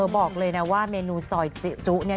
บอกเลยว่าเมนูซอยจุ๊ก